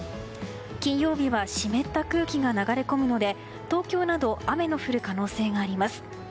金曜日は湿った空気が流れ込むので東京など雨の降る可能性があります。